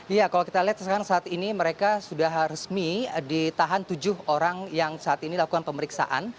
iya kalau kita lihat sekarang saat ini mereka sudah resmi ditahan tujuh orang yang saat ini lakukan pemeriksaan